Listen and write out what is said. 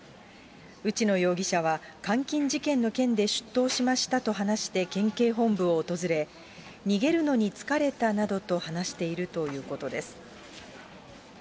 内野容疑者は、監禁事件の件で出頭しましたと話して県警本部を訪れ、逃げるのに疲れたなどと話しているということです。